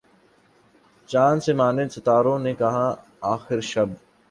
چاند سے ماند ستاروں نے کہا آخر شب